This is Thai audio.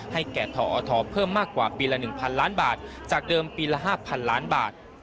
ให้แก่ทออทอเพิ่มมากกว่าปีละหนึ่งพันล้านบาทจากเดิมปีละห้าพันล้านบาท